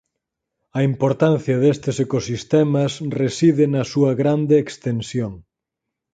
A importancia destes ecosistemas reside na súa grande extensión.